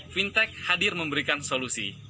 fintech hadir memberikan solusi